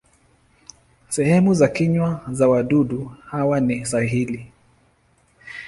Sehemu za kinywa za wadudu hawa ni sahili.